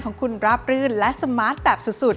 ของคุณราบรื่นและสมาร์ทแบบสุด